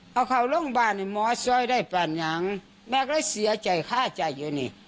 เขาเข้าโรงพยาบาลหมอซ้อยได้ปรรณอย่างแม่ก็เลยเสียใจฆ่าใจอยู่นี่